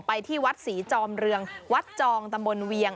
ที่วัดศรีจอมเรืองวัดจองตำบลเวียง